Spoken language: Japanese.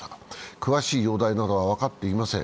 詳しい容体などは分かっていません。